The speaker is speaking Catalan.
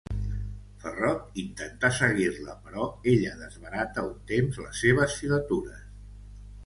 Ferrot intenta seguir-la, però ella desbarata un temps les seves filatures.